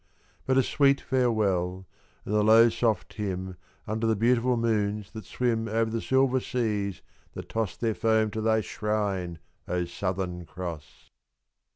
But a sweet farewell, and a low soft hymn Under the beautiful moons that swim Over the silver seas that toss Their foam to thy shrine, O Southern Cross!